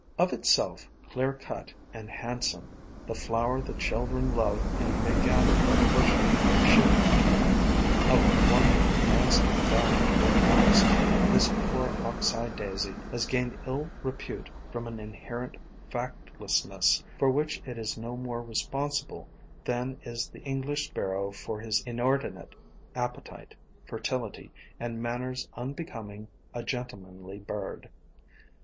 Of itself clear cut and hand some, the flower that children love and may gather by the bushel unchidden ; of wonderful landscape value when massed; — this poor Ox eye Daisy has gained ill repute from an inherent tact lessness, for which it is no more responsible than is the English sparrow for his inordinate appetite, fertility, and manners unbecoming a gentlemanly bird.